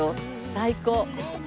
最高！